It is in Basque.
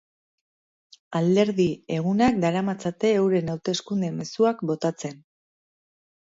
Alderdiek egunak daramatzate euren hauteskunde mezuak botatzen.